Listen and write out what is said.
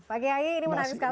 pak kiai ini menarik sekali